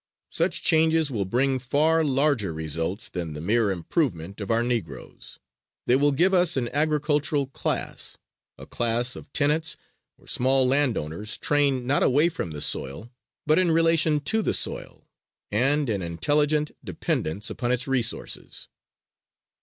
Such changes will bring far larger results than the mere improvement of our Negroes. They will give us an agricultural class, a class of tenants or small land owners, trained not away from the soil, but in relation to the soil and in intelligent dependence upon its resources."